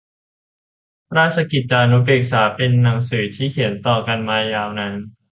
ราชกิจจานุเบกษา เป็นหนังสือที่เขียนต่อกันมายาวนาน